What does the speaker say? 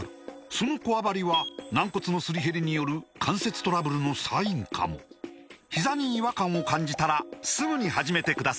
そのこわばりは軟骨のすり減りによる関節トラブルのサインかもひざに違和感を感じたらすぐに始めてください